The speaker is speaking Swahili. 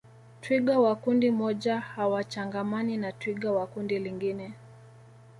twiga wa kundi moja hawachangamani na twiga wa kundi lingine